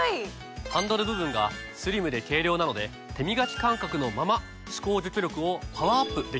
ハンドル部分がスリムで軽量なので手みがき感覚のまま歯垢除去力をパワーアップできるんです。